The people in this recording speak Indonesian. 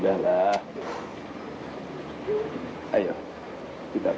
terima kasih pak